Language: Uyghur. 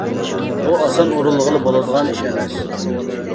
بۇ ئاسان ئورۇنلىغىلى بولىدىغان ئىش ئەمەس.